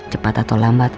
cepat atau lambat